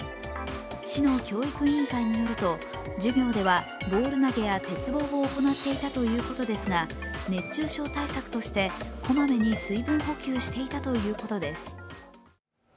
市の教育委員会によると、授業ではボール投げや鉄棒を行っていたということですが熱中症対策として、こまめに水分補給していたということです。